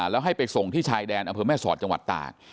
แล้วให้ไปส่งที่ชายแดนอำเภอแม่สอดจังหวัดตาก